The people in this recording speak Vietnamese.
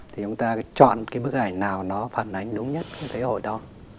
thì chúng ta chọn cái bức ảnh nào nó phản ánh đúng nhất thế hội đó